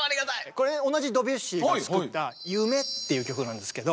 これ同じドビュッシーが作った「夢」っていう曲なんですけど。